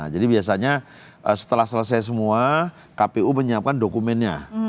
jadi biasanya setelah selesai semua kpu menyiapkan dokumennya